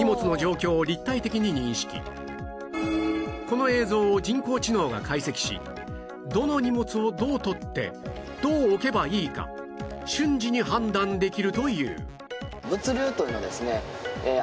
この映像を人工知能が解析しどの荷物をどう取ってどう置けばいいか瞬時に判断できるという